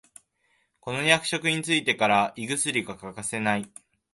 この役職についてから胃薬が欠かせない